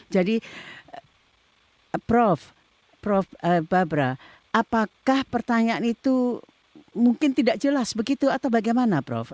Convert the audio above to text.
jadi prof prof barbara apakah pertanyaan itu mungkin tidak jelas begitu atau bagaimana prof